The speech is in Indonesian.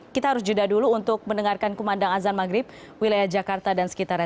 kita harus jeda dulu untuk mendengarkan kumandang azan maghrib wilayah jakarta dan sekitarnya